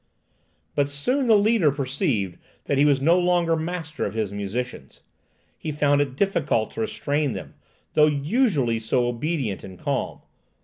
But soon the leader perceived that he was no longer master of his musicians. He found it difficult to restrain them, though usually so obedient and calm.